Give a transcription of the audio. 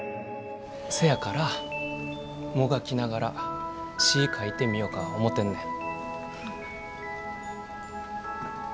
せやからもがきながら詩ぃ書いてみよか思てんねん。